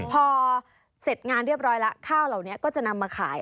พอเสร็จงานเรียบร้อยแล้วข้าวเหล่านี้ก็จะนำมาขาย